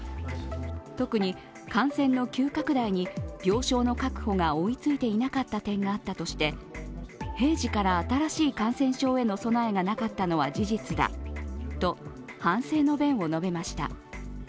特に感染の急拡大に病床の確保が追いついていなかった点があったとして平時から新しい感染症への備えがなかったのは事実だと反省の弁を述べました。